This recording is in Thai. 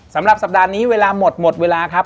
สำหรับสัปดาห์นี้เวลาหมดหมดเวลาครับ